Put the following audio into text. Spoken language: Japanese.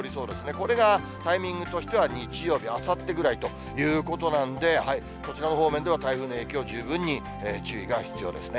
これがタイミングとしては日曜日、あさってぐらいということなんで、こちらの方面では台風の影響、十分に注意が必要ですね。